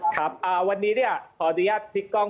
ครับอ่าวันนี้นี่ขออนุญาตฟี่กล้อง